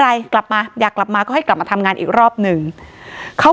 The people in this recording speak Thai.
อะไรกลับมาอยากกลับมาก็ให้กลับมาทำงานอีกรอบหนึ่งเขา